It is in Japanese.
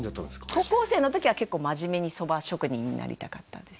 高校生の時は結構まじめに蕎麦職人になりたかったです